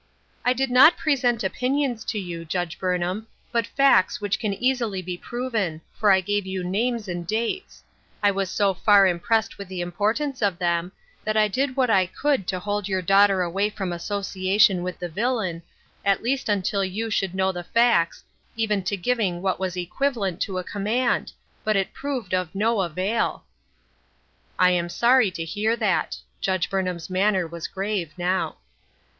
" I did not present opinions to you, Judge Burnham, but facts which can easily be proven ; for I gave you names and dates. I was so far impressed with the importance of them, that I did what I could to hold your daughter away from 66 DRIFTING. association with the villain, at least until you should know the facts, even to giving what was equivalent to a command ; but it proved of no avail." " I am sorry to hear that." Judge Burnham's manner was grave now.